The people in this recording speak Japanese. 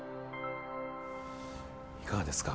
いかがですか？